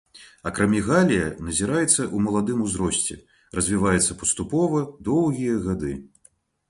Акрамегалія назіраецца ў маладым узросце, развіваецца паступова, доўгія гады.